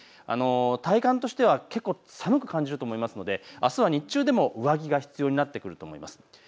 体感としては結構寒く感じると思いますのであすは日中でも上着が必要になってくると思います。